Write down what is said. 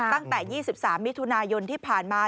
ตั้งแต่๒๓มิถุนายนที่ผ่านมา